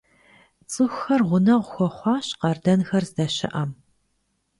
ЦӀыхухэр гъунэгъу хуэхъуащ къардэнхэр здэщыӀэм.